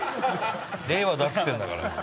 令和だっつってんだから。